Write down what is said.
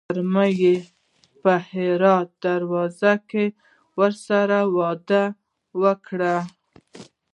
غرمه مې په هرات دروازه کې ورسره وعده وکړه.